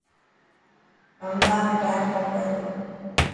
رمضان ۾ ٽائم گهٽ هئي تو.